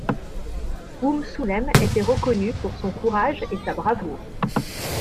Umm Sulaym était reconnue pour son courage et sa bravoure.